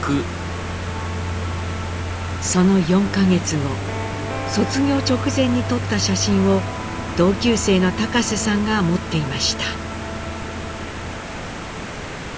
その４か月後卒業直前に撮った写真を同級生の高瀬さんが持っていました。